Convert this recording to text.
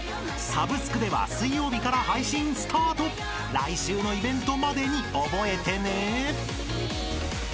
［来週のイベントまでに覚えてね］